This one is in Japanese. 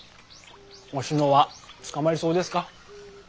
おしのは捕まりそうですか？